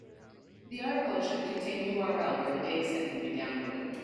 The article should contain URL where the dataset can be downloaded.